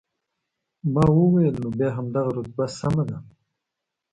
ما وویل، نو بیا همدغه رتبه سمه ده.